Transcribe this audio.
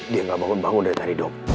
dia nggak bangun bangun dari tadi dok